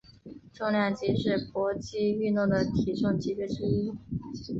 重量级是搏击运动的体重级别之一。